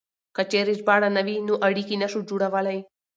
که چېرې ژباړه نه وي نو اړيکې نه شو جوړولای.